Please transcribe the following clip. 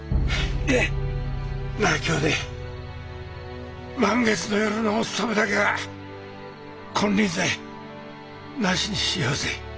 なあ兄弟満月の夜のお盗めだけは金輪際なしにしようぜ。